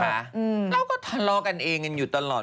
เราก็ทะเลาะกันเองกันอยู่ตลอด